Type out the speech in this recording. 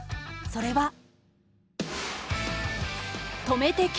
それは。